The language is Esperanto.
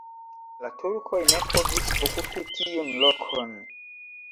La turkoj ne povis okupi tiun lokon.